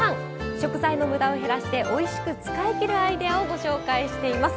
食材の無駄を減らしておいしく使いきるアイデアをご紹介しています。